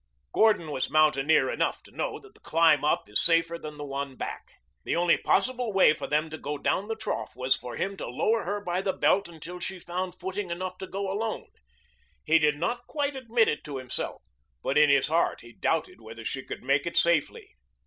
Gordon was mountaineer enough to know that the climb up is safer than the one back. The only possible way for them to go down the trough was for him to lower her by the belt until she found footing enough to go alone. He did not quite admit it to himself, but in his heart he doubted whether she could make it safely.